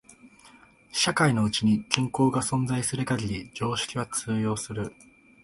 社会のうちに均衡が存在する限り常識は通用する。